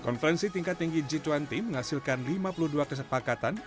konferensi tingkat tinggi g dua puluh menghasilkan lima puluh dua kesepakatan